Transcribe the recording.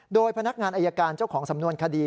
โดยพนักงานอายการเจ้าของสำนวนคดี